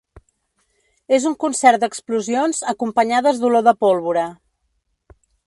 És un concert d’explosions acompanyades d’olor de pólvora.